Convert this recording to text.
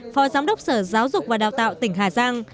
phó giám đốc sở giáo dục và đào tạo tỉnh hà giang